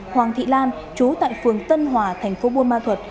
hoàng thị lan chú tại phường tân hòa thành phố buôn ma thuật